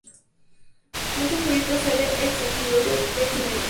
Mucho flúor produce hexafluoruro de selenio.